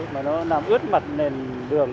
mà nó làm ướt mặt nền đường ấy